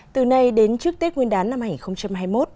từ nay đến trước tết nguyên đán năm hai nghìn hai mươi một